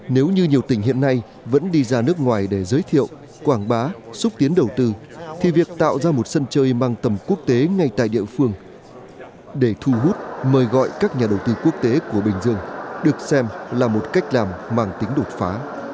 nếu như nhiều tỉnh hiện nay vẫn đi ra nước ngoài để giới thiệu quảng bá xúc tiến đầu tư thì việc tạo ra một sân chơi mang tầm quốc tế ngay tại địa phương để thu hút mời gọi các nhà đầu tư quốc tế của bình dương được xem là một cách làm mang tính đột phá